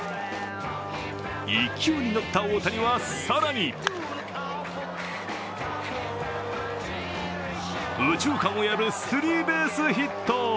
勢いに乗った大谷は更に右中間を破るスリーベースヒット。